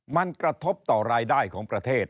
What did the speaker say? มันกระทบต่อรายได้ของประเทศ